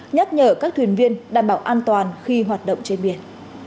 nhắc nhở các thuyền viên đảm bảo an toàn khi hoạt động trên biển